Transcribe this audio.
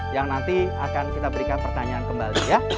yang nanti akan kita berikan pertanyaan kembali ya